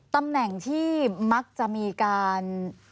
ตำแหน่งที่มักจะมีการ